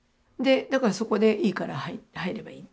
だからそこでいいから入ればいい。